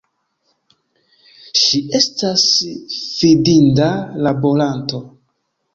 Ŝi estas fidinda laboranto.